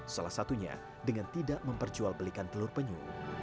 salah satunya dengan tidak memperjual belikan telur penyu